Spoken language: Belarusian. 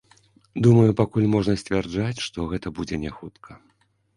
Думаю, пакуль можна сцвярджаць, што гэта будзе не хутка.